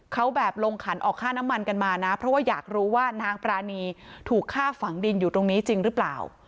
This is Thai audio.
เขาแบบลงขันออกค่าน้ำมันกันมานะเพราะว่าอยากรู้ว่านางปรานีถูกฆ่าฝังดินอยู่ตรงนี้จริงหรือเปล่า